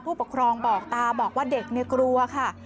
ผู้ปกครองบอกตาบอกว่าเด็กเนี่ยกลัวค่ะ